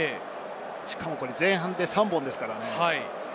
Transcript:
しかも前半で３本です。